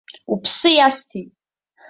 Уԥсы иасҭеит!